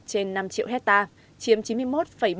trên năm triệu hectare chiếm chín mươi một bảy mươi năm